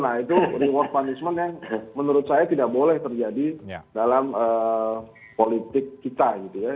nah itu reward punishment yang menurut saya tidak boleh terjadi dalam politik kita gitu ya